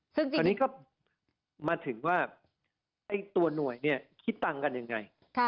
ซึ่งตอนนี้ก็มาถึงว่าตัวหน่วยเนี่ยคิดตังค์กันยังไง